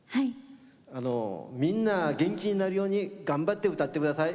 みんな元気になるように頑張って歌ってください。